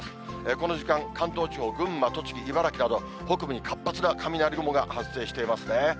この時間、関東地方、群馬、栃木、茨城など、北部に活発な雷雲が発生していますね。